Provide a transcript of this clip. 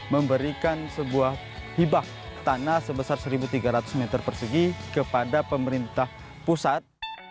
memberikan sebuah hibah tanah sebesar satu tiga ratus meter persegi kepada pemerintah pusat